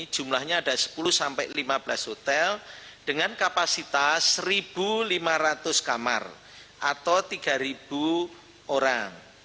jumlahnya ada sepuluh sampai lima belas hotel dengan kapasitas satu lima ratus kamar atau tiga orang